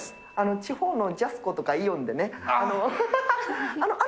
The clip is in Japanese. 地方のジャスコとかイオンでね、あら？